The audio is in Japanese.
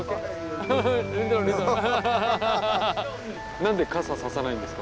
何で傘差さないんですか？